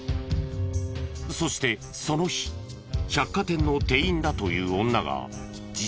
そしてその日百貨店の店員だという女が自宅にやって来る。